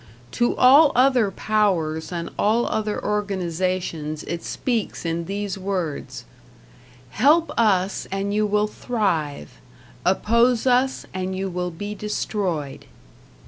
To all other powers and all other organizations it speaks in these words: "Help us, and you will thrive; oppose us, and you will be destroyed."